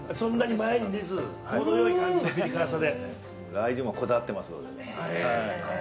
ラー油にもこだわってますので。